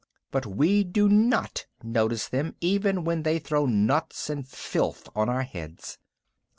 But we do not notice them even when they throw nuts and filth on our heads."